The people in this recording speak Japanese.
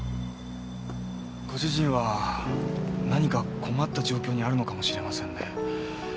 ご主人は何か困った状況にあるのかもしれませんね。